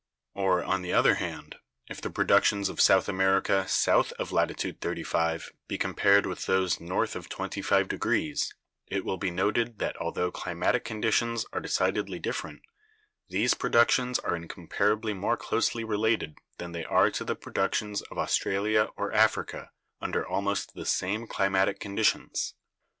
Or, on the other hand, if the productions of South America south of latitude thirty five be compared with those north of twenty five degrees it will be noted that altho climatic conditions are decidedly different, these productions are incomparably more closely related than they are to the productions of Australia or Africa under almost the same climatic conditions.